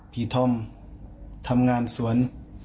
ท่อมทำงานสวน